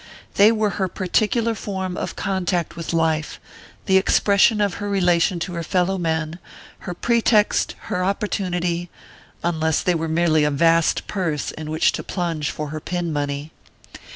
They were her particular form of contact with life, the expression of her relation to her fellow men, her pretext, her opportunity unless they were merely a vast purse in which to plunge for her pin money!